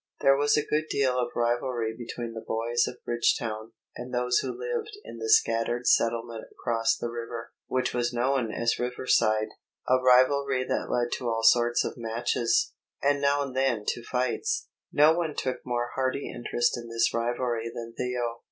There was a good deal of rivalry between the boys of Bridgetown and those who lived in the scattered settlement across the river, which was known as Riverside—a rivalry that led to all sorts of matches, and now and then to fights. No one took more hearty interest in this rivalry than Theo.